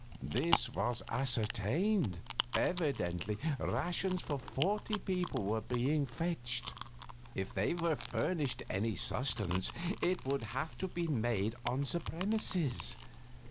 This was ascertained. Evidently rations for forty people were not being fetched. If they were furnished any sustenance it would have to be made on the premises.